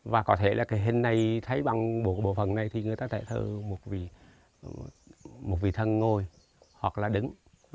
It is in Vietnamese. và có thể bằng bộ phần này người ta có thể thơ một vị thân ngồi hoặc là đứng